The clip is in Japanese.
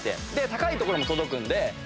高い所も届くんで。